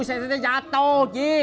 saya ternyata jatuh ji